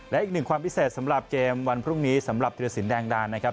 และอีกหนึ่งความพิเศษสำหรับเกมวันพรุ่งนี้สำหรับธิรสินแดงดานะครับ